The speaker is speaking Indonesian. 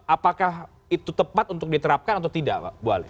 apakah itu tepat untuk diterapkan atau tidak